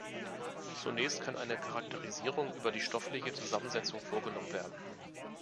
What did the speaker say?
Zunächst kann eine Charakterisierung über die Stoffliche Zusammensetzung vorgenommen werden.